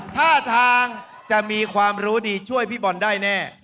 ท่าทางจะมีความรู้ดีช่วยพี่บอลได้แน่